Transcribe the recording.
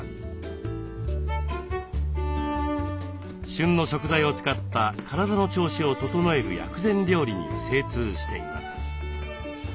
旬の食材を使った体の調子を整える薬膳料理に精通しています。